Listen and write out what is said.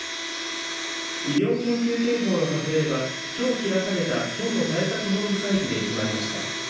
医療緊急警報の発令はきょう開かれた県の対策本部会議で決まりました。